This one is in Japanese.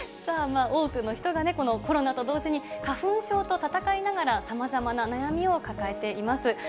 さあ、多くの人がコロナと同時に花粉症と闘いながら、さまざまな悩みを抱えています。